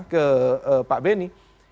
ke pak benny